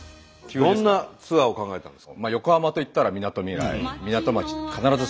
どんなツアーを考えたんですか？